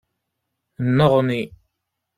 Nneɣni.